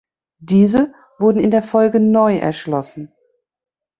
Diese wurden in der Folge neu erschlossen.